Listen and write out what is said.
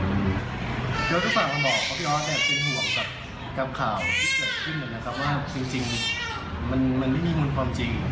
เดี๋ยวก็ฝากมาบอกว่าพี่ออสเป็นห่วงกับข่าวที่เกิดขึ้นนะครับว่าจริงมันไม่มีมูลความจริง